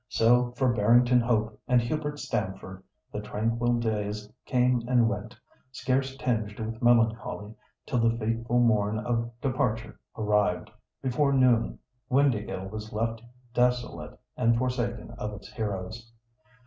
So, for Barrington Hope and Hubert Stamford, the tranquil days came and went, scarce tinged with melancholy, till the fateful morn of departure arrived; before noon Windāhgil was left desolate and forsaken of its heroes.